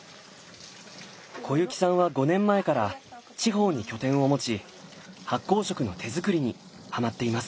小雪さんは５年前から地方に拠点を持ち発酵食の手づくりにハマっています。